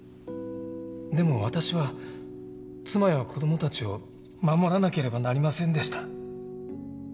でも私は妻や子どもたちを守らなければなりませんでした。